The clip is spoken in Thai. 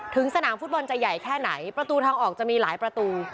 สนามฟุตบอลจะใหญ่แค่ไหนประตูทางออกจะมีหลายประตู